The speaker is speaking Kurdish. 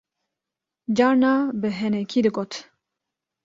carna bi henekî digot